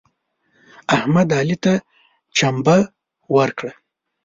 احمد علي ته چمبه ورکړه.